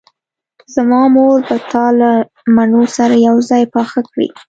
زما مور به تا له مڼو سره یوځای پاخه کړي